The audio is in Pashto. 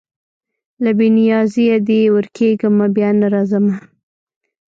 له بې نیازیه دي ورکېږمه بیا نه راځمه